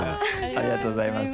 ありがとうございます。